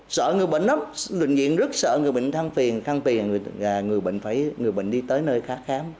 sợ người bệnh lắm luyện viện rất sợ người bệnh thăng phiền thăng phiền là người bệnh đi tới nơi khác khám